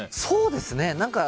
そうですね。